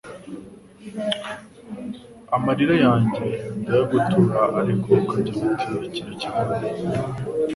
Amarira yanjye ndayaguturaAriko ukagira uti: »Kira kibondo! »